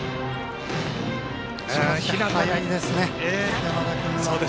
速いですね、山田君。